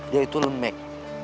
dia itu lembek